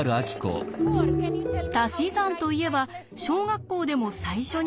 たし算といえば小学校でも最初に学ぶもの。